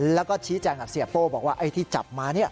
แล้วก็ชี้แจงกับเสียโป้บอกว่าไอ้ที่จับมา